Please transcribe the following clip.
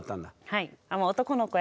はい。